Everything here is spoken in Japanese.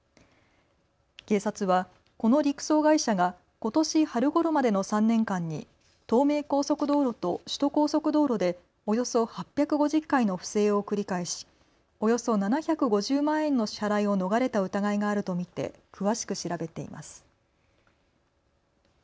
警察はこの陸送会社がことし春ごろまでの３年間に東名高速道路と首都高速道路でおよそ８５０回の不正を繰り返しおよそ７５０万円の支払いを逃れた疑いがあると見て詳しく調べています。